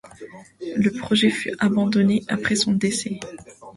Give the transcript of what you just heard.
Le projet fut abandonné après son décès.